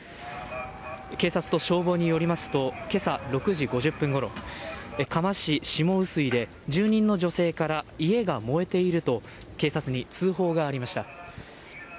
警察と消防によりますと、けさ６時５０分ごろ、嘉麻市下臼井で、住人の女性から家が燃えていると、警察に通報がありました。